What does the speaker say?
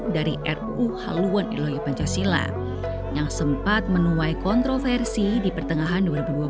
dari ruu haluan ideologi pancasila yang sempat menuai kontroversi di pertengahan dua ribu dua puluh